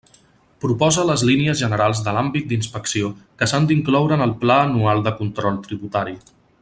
Proposa les línies generals de l'àmbit d'inspecció que s'han d'incloure en el Pla anual de control tributari.